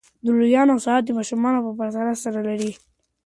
د لویانو ساعت د ماشومانو په پرتله سرعت لري.